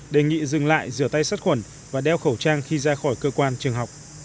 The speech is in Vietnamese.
đề nghị dừng lại rửa tay sát khuẩn và đeo khẩu trang khi ra khỏi cơ quan trường học